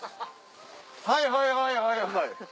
はいはいはいはいはい。